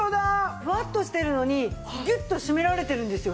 フワッとしてるのにギュッと締められてるんですよね。